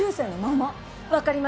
分かります！